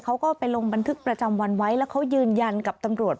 เขาก็ไปลงบันทึกประจำวันไว้แล้วเขายืนยันกับตำรวจ